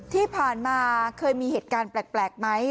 ที่ผ่านมาเคยมีเหตุการณ์แปลกไหม